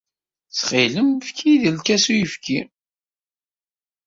Ttxil-m, efk-iyi-d lkas n uyefki.